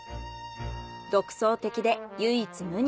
独創的で唯一無二。